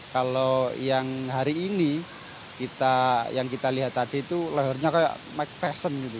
kalau yang hari ini yang kita lihat tadi itu lehernya kayak mckeson gitu